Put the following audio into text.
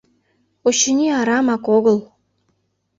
Очыни, арамак огыл...